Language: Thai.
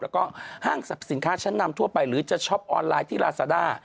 แล้วก็ห้างสรรพสินค้าชั้นนำทั่วไปหรือจะช็อปออนไลน์ที่ลาซาด้า